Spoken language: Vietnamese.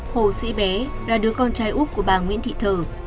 hồ sĩ bé là đứa con trai úc của bà nguyễn thị thờ